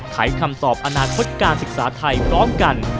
ไขคำตอบอนาคตการศึกษาไทยพร้อมกัน